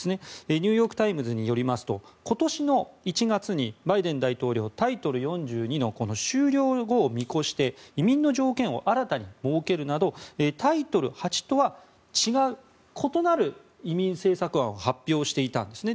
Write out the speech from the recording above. ニューヨーク・タイムズによりますと、今年の１月にバイデン大統領はタイトル４２の終了後を見越して移民の条件を新たに設けるなどタイトル８とは異なる移民政策案を発表していたんですね。